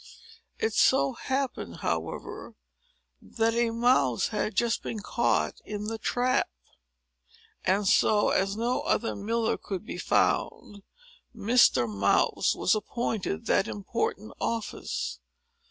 It so happened, however, that a mouse had just been caught in the trap; and, as no other miller could be found, Mr. Mouse was appointed to that important office.